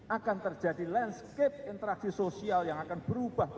akan terjadi landscape interaksi sosial yang akan berubah